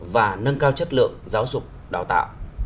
và nâng cao chất lượng giáo dục đào tạo